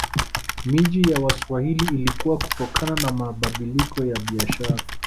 Miji ya Waswahili ilikua kutokana na mabadiliko ya biashara